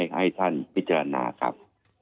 ให้ท่านพิจารณาครับ